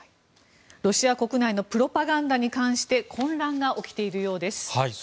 ロシア国内のプロパガンダに関して混乱が起きているようです。